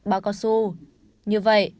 bacosu như vậy